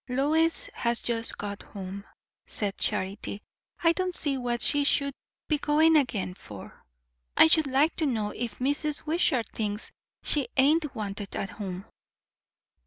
"Lois has just got home," said Charity. "I don't see what she should be going again for. I should like to know if Mrs. Wishart thinks she ain't wanted at home!"